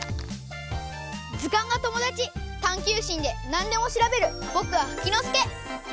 ずかんがともだちたんきゅうしんでなんでもしらべるぼくはフキノスケ！